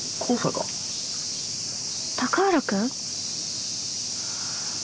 高浦君？